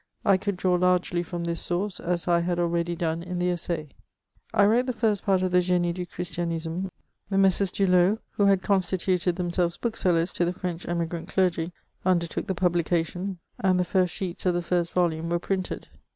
I could draw largely from this source, as I had already done in the EssaL I wrote the first part of the Gtnie du Christianisme, The Messrs. Dulau, who had constituted themselves bookseUers to the French emigrant clergy, undertook the publication ; and the first sheets of the first volume were printed.